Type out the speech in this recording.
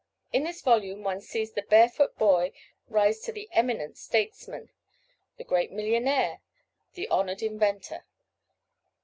In this volume one sees the barefoot boy rise to the eminent statesman, the great millionaire, the honored inventor.